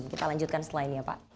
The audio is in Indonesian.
kita lanjutkan setelah ini ya pak